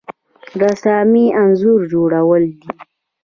رسامي انځور جوړول دي